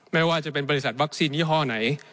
ไม่ว่าจะเป็นบริษัทวัคซีนยี่ห้อไหน